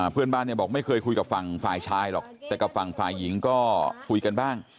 เพื่อนบ้านเนี่ยบอกไม่เคยคุยกับฝั่งฝ่ายชายหรอกแต่กับฝั่งฝ่ายหญิงก็คุยกันบ้าง